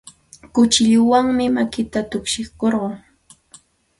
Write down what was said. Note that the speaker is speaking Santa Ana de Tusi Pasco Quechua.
Kuchilluwanmi makinta tukshikurqun.